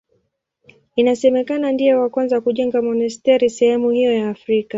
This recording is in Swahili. Inasemekana ndiye wa kwanza kujenga monasteri sehemu hiyo ya Afrika.